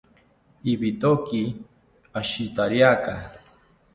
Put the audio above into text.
Ibitoki ashitariaka